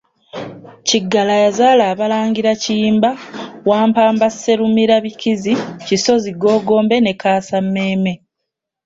Kiggala yazaala Abalangira Kiyimba, Wampamba Sserumirabikizi, Kisozi, Googombe ne Kaasammeeme.